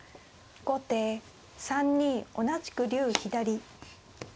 後手３二同じく竜左。